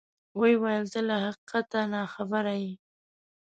ویې ویل: ته له حقیقته ناخبره یې.